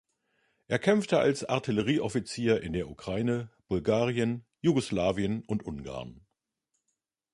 Er kämpfte als Artillerieoffizier in der Ukraine, Bulgarien, Jugoslawien und Ungarn.